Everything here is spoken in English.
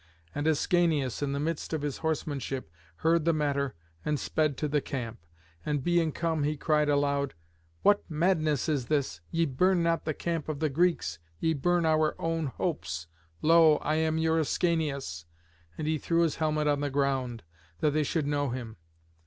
And Ascanius, in the midst of his horsemanship, heard the matter and sped to the camp. And being come he cried aloud, "What madness is this? Ye burn not the camp of the Greeks, ye burn our own hopes. Lo! I am your Ascanius." And he threw his helmet on the ground, that they should know him.